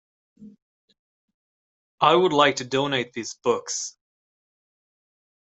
I would like to donate these books.